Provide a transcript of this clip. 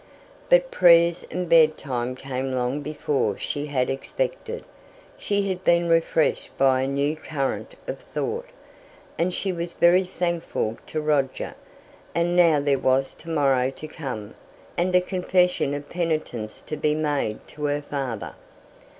But prayers and bedtime came long before she expected; she had been refreshed by a new current of thought, and she was very thankful to Roger. And now there was to morrow to come, and a confession of penitence to be made to her father.